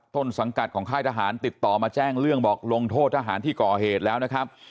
ต้นสังกัดของค่ายทหารติดต่อมาแจ้งเรื่องบอกลงโทษทหารที่ก่อเหตุแล้วนะครับ